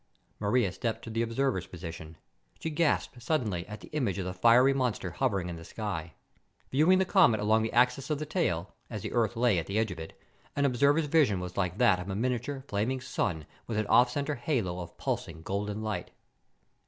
Maria stepped to the observer's position. She gasped suddenly at the image of the fiery monster hovering in the sky. Viewing the comet along the axis of the tail, as the Earth lay at the edge of it, an observer's vision was like that of a miniature, flaming sun with an offcenter halo of pulsing, golden light.